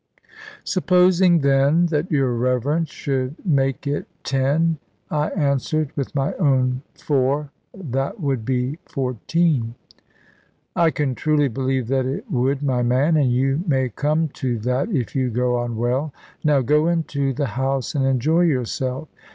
"Supposing, then, that your Reverence should make it ten," I answered; "with my own four, that would be fourteen." "I can truly believe that it would, my man. And you may come to that, if you go on well. Now go into the house and enjoy yourself.